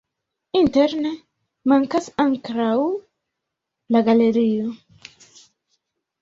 Interne mankas ankraŭ la galerio.